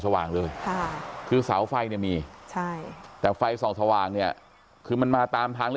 สว่างเลยคือสาวไฟมีแต่ไฟส่องสว่างเนี่ยคือมันมาตามทาง